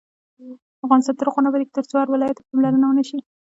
افغانستان تر هغو نه ابادیږي، ترڅو هر ولایت ته پاملرنه ونشي.